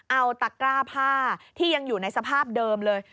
เอาตะกร้าผ้าที่ยังอยู่ในสภาพเดิมเลย